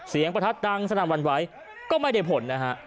เสียงประทัดดังสนามวันไว้ก็ไม่ได้ผลนะฮะ